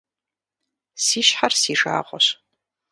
Си щхьэр си жагъуэщ.